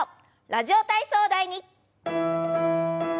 「ラジオ体操第２」。